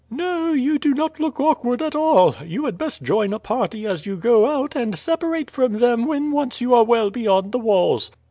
"No, you do not look awkward at all. You had best join a party as you go out, and separate from them when once you are well beyond the walls."